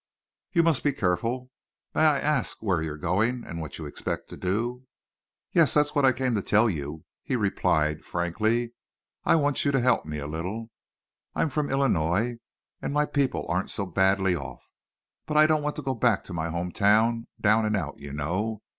"You must be careful. May I ask where you're going and what you expect to do?" "Yes, that's what I came to tell you," he replied, frankly. "I want you to help me a little. I'm from Illinois and my people aren't so badly off. But I don't want to go back to my home town down and out, you know.